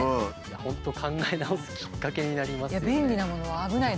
本当考え直すきっかけになりますよね。